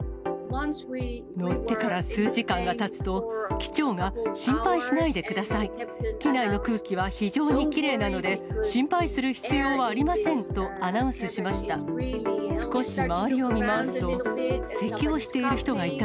乗ってから数時間がたつと、機長が心配しないでください、機内の空気は非常にきれいなので、心配する必要はありませんとアナウンスしました。